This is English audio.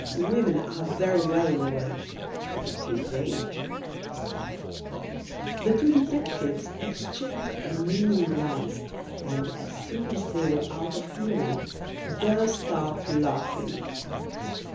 Women are very well in a way, but at his age " The two detectives exchanged a meaning glance, and as soon as they were out of hearing burst out laughing.